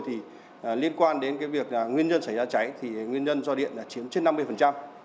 thì liên quan đến cái việc nguyên nhân xảy ra cháy thì nguyên nhân do điện là chiếm trên năm mươi